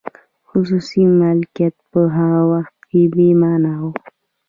خصوصي مالکیت په هغه وخت کې بې مانا و.